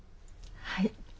はい。